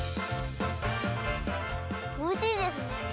おいしいですね！